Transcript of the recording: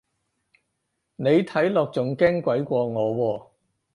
你睇落仲驚鬼過我喎